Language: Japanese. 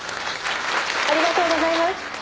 ありがとうございます。